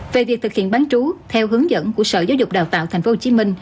về việc thực hiện bán trú theo hướng dẫn của sở giáo dục đào tạo tp hcm